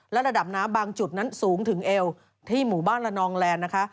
และระดับน้ำบางจุดนั้นสูงถึงเอวที่หมู่บ้านละนองแลนด์นะคะ